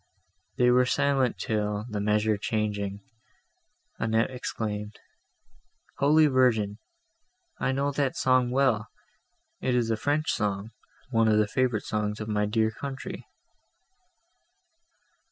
They were silent till, the measure changing, Annette exclaimed, "Holy Virgin! I know that song well; it is a French song, one of the favourite songs of my dear country."